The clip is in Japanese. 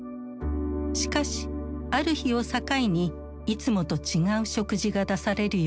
しかしある日を境にいつもと違う食事が出されるようになる。